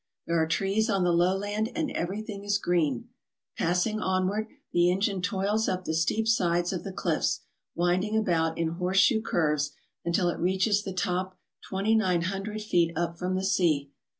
There are trees on the lowland and everything is green. Passing onward, the engine toils up the steep sides of the cliffs, winding about in horseshoe curves until it reaches the top twenty nine hundred feet up from the sea.